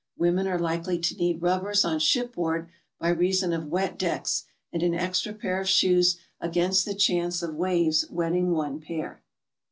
Women are likely to need rubbers on ship board by reason of wet decks, and an extra pair of shoes against the chance of waves wetting one pair.